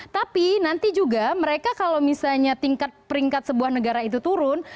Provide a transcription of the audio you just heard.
tapi nanti juga mereka kalau misalnya tingkat peringkat sebuah negara itu turun